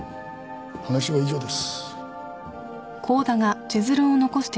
話は以上です。